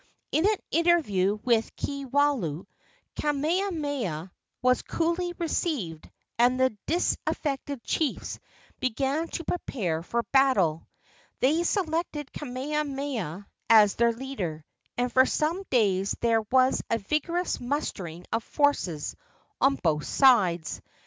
In an interview with Kiwalao, Kamehameha was coolly received, and the disaffected chiefs began to prepare for battle. They selected Kamehameha as their leader, and for some days there was a vigorous mustering of forces on both sides.